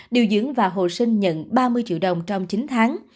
điều dưỡng và hồ sinh nhận ba mươi triệu đồng trong chín tháng